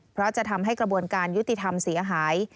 เพราะจะทำให้กระบวนการยุติธรรมเสียหาย